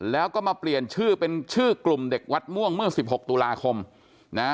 แล้วก็มาเปลี่ยนชื่อเป็นชื่อกลุ่มเด็กวัดม่วงเมื่อสิบหกตุลาคมนะฮะ